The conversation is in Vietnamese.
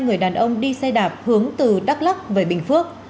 cả một mươi hai người đàn ông đi xe đạp hướng từ đắk lắp về bình phước